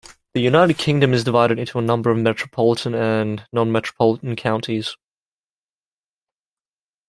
The United Kingdom is divided into a number of metropolitan and non-metropolitan counties.